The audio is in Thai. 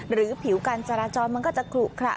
หรือผิวการจราจรมันก็จะขลุกคละ